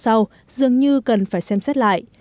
dịch vụ sau dường như cần phải xem xét lại